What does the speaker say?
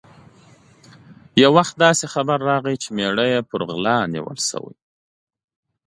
یو وخت داسې خبر راغی چې مېړه یې په غلا نیول شوی.